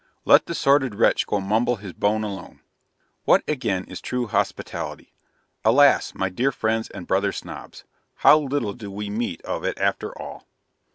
Let the sordid wretch go mumble his bone alone! What, again, is true hospitality? Alas, my dear friends and brother Snobs! how little do we meet of it after all!